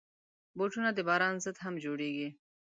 بوټونه د باران ضد هم جوړېږي.